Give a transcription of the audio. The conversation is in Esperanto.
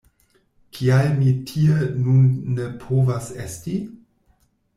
Kial mi tie nun ne povas esti?